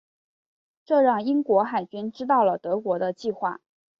这让英国海军知道了德国的计划。